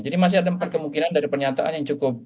jadi masih ada empat kemungkinan dari pernyataan yang cukup